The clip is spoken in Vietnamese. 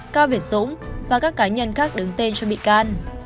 cao việt dũng và các cá nhân khác đứng tên cho bị can